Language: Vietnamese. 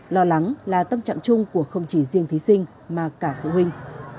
lo lắng là tâm trạng chung của không chỉ riêng thí sinh mà cả phụ huynh